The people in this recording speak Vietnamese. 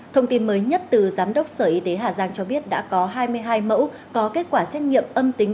thông tin mới nhất từ giám đốc sở y tế hà giang cho biết đã có hai mươi hai mẫu có kết quả xét nghiệm âm tính